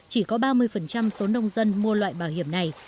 chỉ có ba mươi số nông dân mua loại bảo hiểm này